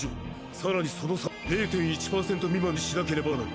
さらにその差を０．１％未満にしなければならない。